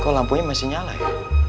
kau lampunya masih nyala ya